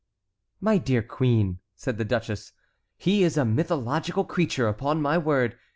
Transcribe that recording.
"My dear queen," said the duchess, "he is a mythological creature, upon my word.